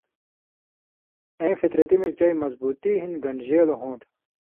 ایں فطرتی ملی چٸ مضبوطی ہِن گن٘ڈژیلہ ہوں تھو۔